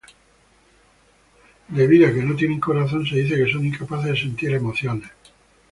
Debido a que no tienen corazón, se dice que son incapaces de sentir emociones.